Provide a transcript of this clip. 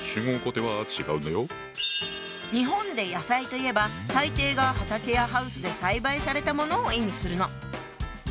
日本で「野菜」といえば大抵が畑やハウスで栽培されたものを意味するの。